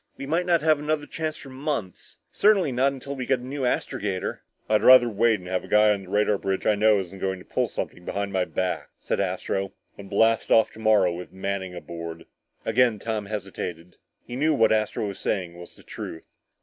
We might not have another chance for months! Certainly not until we get a new astrogator." "I'd rather wait and have a guy on the radar bridge I know isn't going to pull something behind my back," said Astro, "than blast off tomorrow with Manning aboard." Again Tom hesitated. He knew what Astro was saying was the truth.